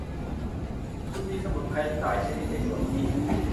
คุณมีสมุนไพรหลายชนิดในสวนนี้